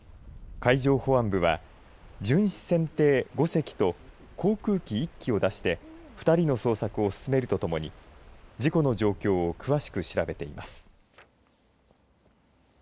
海上保安部は巡視船艇５隻と航空機１機を出して２人の捜索を進めるとともに事故の状況を詳しく調べています。